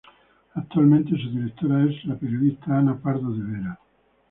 Actualmente, su directora es la periodista Ana Pardo de Vera.